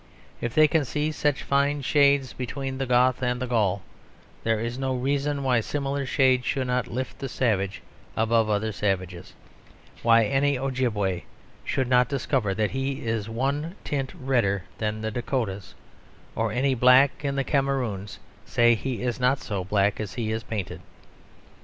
If they can see such fine shades between the Goth and the Gaul, there is no reason why similar shades should not lift the savage above other savages; why any Ojibway should not discover that he is one tint redder than the Dacotahs; or any nigger in the Cameroons say he is not so black as he is painted.